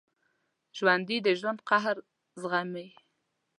ژوندي د ژوند قهر زغمي